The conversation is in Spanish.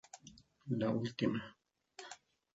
Premio y mención a la mejor dirección.